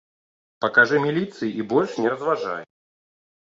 Пакажы міліцыі і больш не разважай.